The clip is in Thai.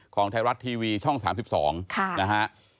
ของไทยรัฐทีวีช่อง๓๒นะฮะ